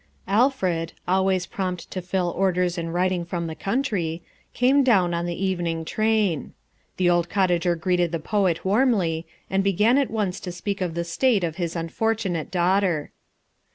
Alfred, always prompt to fill orders in writing from the country, came down on the evening train. The old cottager greeted the poet warmly, and began at once to speak of the state of his unfortunate daughter.